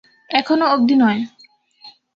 এখনো অব্ধি নয়।